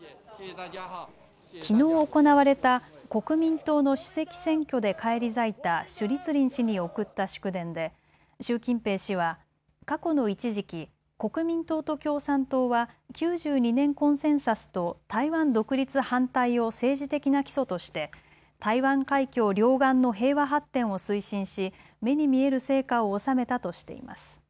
きのう行われた国民党の主席選挙で返り咲いた朱立倫氏に送った祝電で習近平氏は過去の一時期、国民党と共産党は９２年コンセンサスと台湾独立反対を政治的な基礎として台湾海峡両岸の平和発展を推進し目に見える成果を収めたとしています。